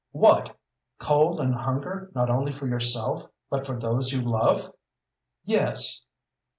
"What? Cold and hunger not only for yourself, but for those you love?" "Yes."